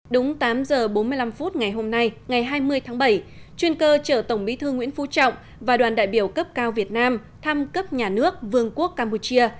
đúng tám giờ bốn mươi năm phút ngày hôm nay ngày hai mươi tháng bảy chuyên cơ chở tổng bí thư nguyễn phú trọng và đoàn đại biểu cấp cao việt nam thăm cấp nhà nước vương quốc campuchia